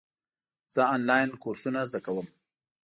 زه آنلاین کورسونه زده کوم.